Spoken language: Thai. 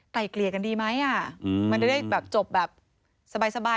ไกล่เกลียกันดีไหมอ่าอืมมันจะได้แบบจบแบบสบายสบาย